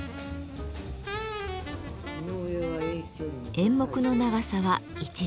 演目の長さは１時間。